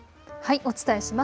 お伝えします。